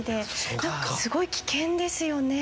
すごい危険ですよね。